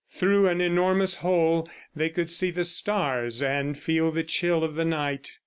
Through an enormous hole they could see the stars and feel the chill of the night.